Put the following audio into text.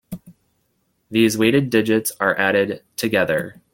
These weighted digits are added together.